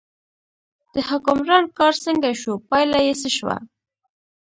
د حکمران کار څنګه شو، پایله یې څه شوه.